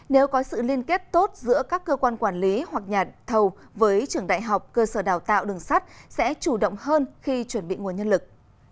nếu có sự liên kết tốt giữa các cơ quan quản lý hoặc nhà thầu với trường đại học cơ sở đào tạo đường sắt sẽ chủ động hơn khi chuẩn bị nguồn nhân lực